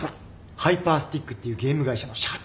ハイパースティックっていうゲーム会社の社長。